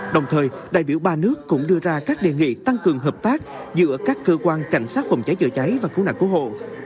đồng thời đại biểu ba nước cũng đưa ra các đề nghị tăng cường hợp tác giữa các cơ quan cảnh sát phòng cháy chữa cháy và cứu nạn cứu hộ